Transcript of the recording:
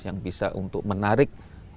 yang untuk menarik